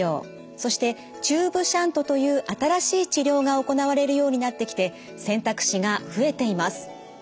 そしてチューブシャントという新しい治療が行われるようになってきて選択肢が増えています。